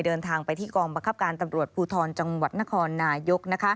เดินทางไปที่กองบังคับการตำรวจภูทรจังหวัดนครนายก